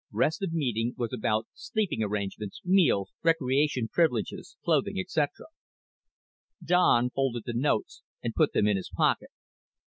"Rest of mtg was abt sleeping arngmnts, meals, recreation privileges, clothing etc." Don folded the notes and put them in his pocket.